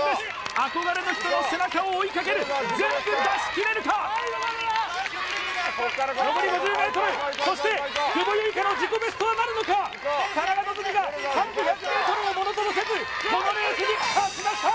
憧れの人の背中を追いかける全部出し切れるか残り５０ｍそして久保結花の自己ベストはなるのか田中希実が軽く１００ｍをものともせずこのレースに勝ちました